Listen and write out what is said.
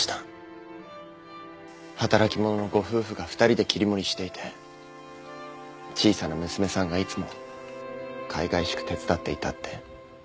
働き者のご夫婦が２人で切り盛りしていて小さな娘さんがいつもかいがいしく手伝っていたって。